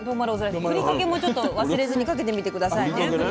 ふりかけもちょっと忘れずにかけてみて下さいね。